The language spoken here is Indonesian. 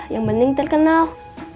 yang mending terkenal